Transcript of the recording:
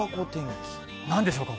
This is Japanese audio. なんでしょうか？